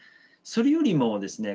それよりもですね